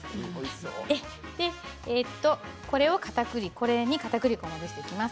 これにかたくり粉をまぶしていきます。